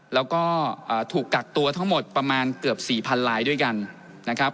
แล้วก็ถูกกักตัวทั้งหมดประมาณเกือบ๔๐๐๐ลายด้วยกันนะครับ